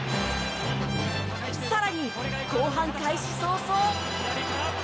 更に後半開始早々。